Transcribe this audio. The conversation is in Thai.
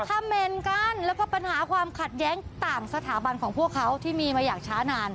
คำเมนต์กันแล้วก็ปัญหาความขัดแย้งต่างสถาบันของพวกเขาที่มีมาอย่างช้านาน